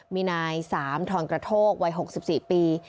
มีนายสามทอนกระโทกวัย๖๔ปี